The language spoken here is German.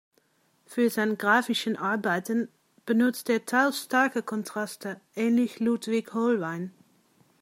Für sein graphischen Arbeiten benutzt er teils starke Kontraste ähnlich Ludwig Hohlwein.